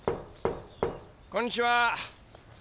こんにちは。